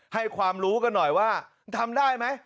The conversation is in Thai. ให้ความรู้กันหน่อยว่าทำได้ไหม